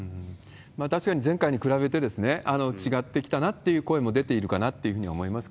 確かに前回に比べて、違ってきたなっていう声も出ているかなというふうに思います